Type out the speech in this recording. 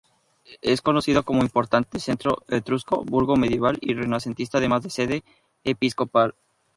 Es conocido como importante centro etrusco, burgo medieval y renacentista, además de sede episcopal.